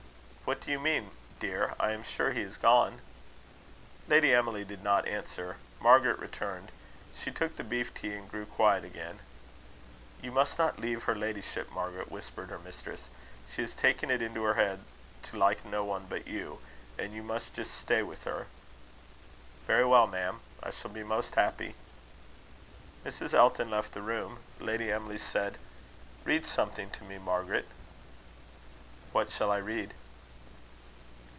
"What do you mean, dear? I am sure he is gone." Lady Emily did not answer. Margaret returned. She took the beef tea, and grew quiet again. "You must not leave her ladyship, Margaret," whispered her mistress. "She has taken it into her head to like no one but you, and you must just stay with her." "Very well, ma'am. I shall be most happy." Mrs. Elton left the room. Lady Emily said: "Read something to me, Margaret." "What shall I read?"